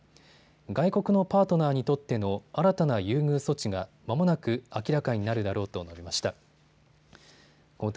外国のパートナーにとっての新たな優遇措置が、まもなく明らかになるだろうと述べました。